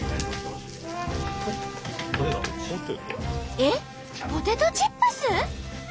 えっポテトチップス？